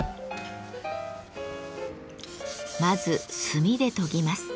まず炭で研ぎます。